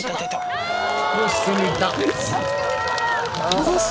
よし！